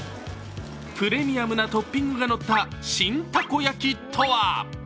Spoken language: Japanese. プレミアムなトッピングが乗った新たこ焼きとは？